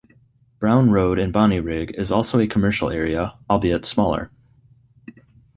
Brown Road in Bonnyrigg is also a commercial area, albeit smaller.